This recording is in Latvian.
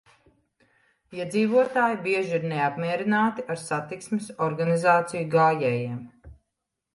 Iedzīvotāji bieži ir neapmierināti ar satiksmes organizāciju gājējiem.